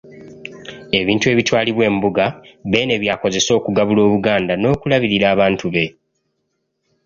Ebintu ebitwalibwa Embuga, Beene by’akozesa okugabula Obuganda n’okulabirira abantu be.